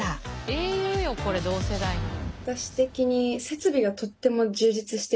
英雄よこれ同世代の。